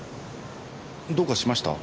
どうかしました？